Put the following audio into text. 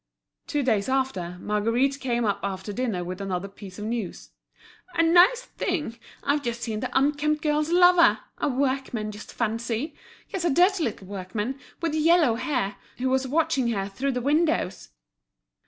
Two days after, Margueritte came up after dinner with another piece of news. "A nice thing, I've just seen the 'unkempt girl's' lover—a workman, just fancy! Yes, a dirty little workman, with yellow hair, who was watching her through the windows."